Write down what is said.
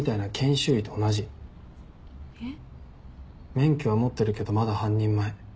免許は持ってるけどまだ半人前。